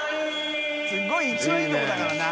すごい一番いいところだからな。